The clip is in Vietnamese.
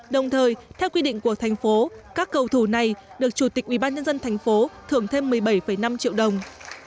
đồng thời theo quy định của thành phố các cầu thủ này được chủ tịch ủy ban nhân dân thành phố thưởng thêm một mươi bảy năm triệu đồng